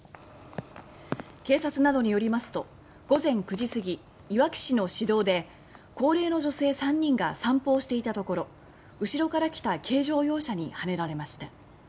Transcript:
警察などによりますと午前９時すぎいわき市の市道で高齢の女性３人が散歩をしていたところ後ろから来た軽乗用車にはねられました。